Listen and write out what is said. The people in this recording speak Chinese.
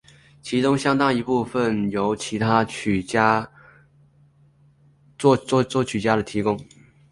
其中相当一部分由其他作曲家的提供。